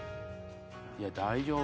いや大丈夫？